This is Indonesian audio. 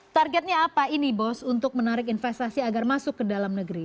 targetnya apa ini bos untuk menarik investasi agar masuk ke dalam negeri